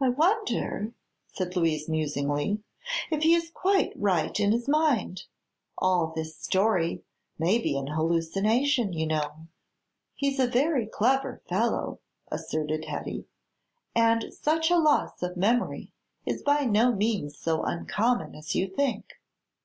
"I wonder," said Louise musingly, "if he is quite right in his mind. All this story may be an hallucination, you know." "He's a very clever fellow," asserted Hetty, "and such a loss of memory is by no means so uncommon as you think.